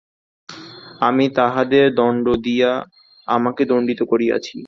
আপনি তাহাদের দণ্ড দিয়া আমাকে দণ্ডিত করিয়াছেন।